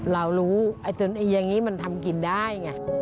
เรารู้จนอย่างนี้มันทำกินได้ไง